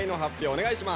お願いします。